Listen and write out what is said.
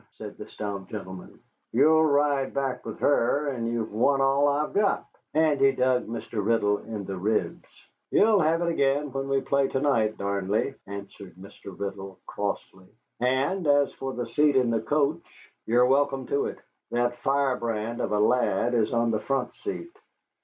said the stout gentleman; "you'll ride back with her, and you've won all I've got." And he dug Mr. Riddle in the ribs. "You'll have it again when we play to night, Darnley," answered Mr. Riddle, crossly. "And as for the seat in the coach, you are welcome to it. That firebrand of a lad is on the front seat."